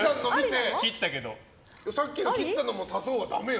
さっきの切ったのも足そうはダメよ。